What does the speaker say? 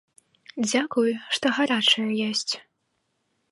Дзякуй, што гарачая ёсць.